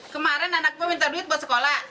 kemarin anakku minta duit buat sekolah